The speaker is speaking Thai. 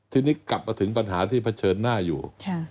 ทีนี้กลับมาถึงปัญหาที่เผชิญหน้าอยู่